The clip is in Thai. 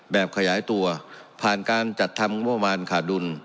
ขยายตัวผ่านการจัดทำงบประมาณขาดดุล